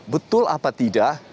betul apa tidak